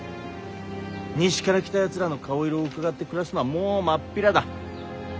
西から来たやつらの顔色をうかがって暮らすのはもう真っ平だ。